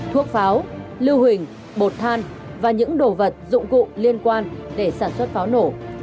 thuốc pháo lưu hình bột than và những đồ vật dụng cụ liên quan để sản xuất pháo nổ